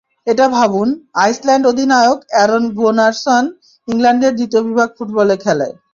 এটা ভাবুন, আইসল্যান্ড অধিনায়ক, অ্যারন গুনারসন, ইংল্যান্ডের দ্বিতীয় বিভাগ ফুটবলে খেলে।